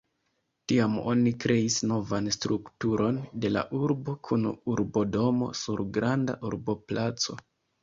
Tiam oni kreis novan strukturon de la urbo kun urbodomo sur granda urboplaco.